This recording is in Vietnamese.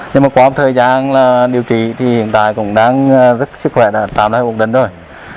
nhưng mà qua thời gian điều trị thì hiện tại cũng đang rất sức khỏe đã tạo ra ổn định rồi